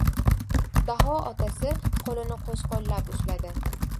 Daho otasi qo‘lini qo‘shqo‘llab ushladi.